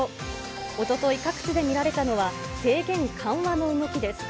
おととい、各地で見られたのは制限緩和の動きです。